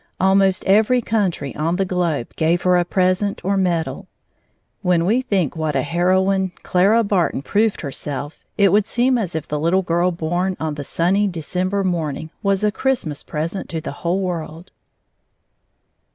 Almost every country on the globe gave her a present or medal. When we think what a heroine Clara Barton proved herself, it would seem as if the little girl born on the sunny December morning was a Christmas present to the whole world.